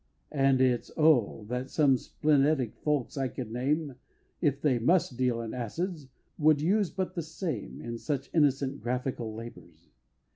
And it's, oh! that some splenetic folks I could name If they must deal in acids would use but the same, In such innocent graphical labors!